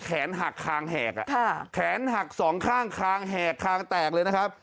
แขนหักคางแหกแขนหักสองข้างคางแหกคางแตกเลยนะครับ